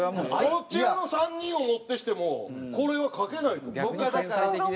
こちらの３人をもってしてもこれは描けない。